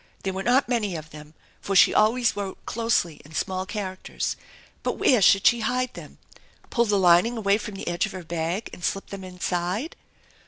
There were not many of them, for she always wrote closely in small characters. But where should she hide them? Pull the lining away from the edge of her bag and slip them Inside?